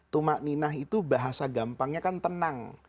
tumak ninah itu bahasa gampangnya kan tenang